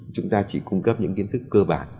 chúng ta chỉ cung cấp những kiến thức cơ bản